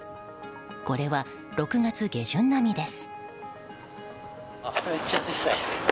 これは６月下旬並みです。